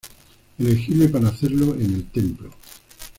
Elegible para hacerlo en el templo.